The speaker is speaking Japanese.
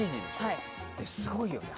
すごいよね。